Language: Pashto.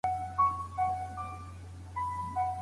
ولي زیارکښ خلګ د طالع په تمه نه کښېني؟